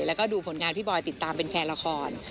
แล้วก็ดูผลงานพี่บอยติดตามเป็นแฟนละคร